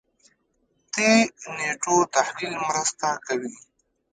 دې نېټو تحلیل مرسته کوي.